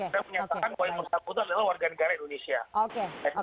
dan menyatakan bahwa yang bersambut adalah warga negara indonesia